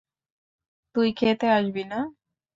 তুই খেতে আসবি না?